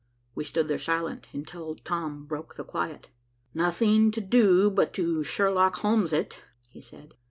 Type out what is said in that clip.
We stood there silent, until Tom broke the quiet. "Nothing to do but to Sherlock Holmes it," he said.